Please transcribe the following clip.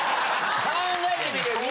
考えてみて。